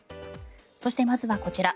そしてまずはこちら。